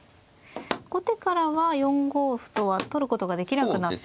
後手からは４五歩とは取ることができなくなったわけですね。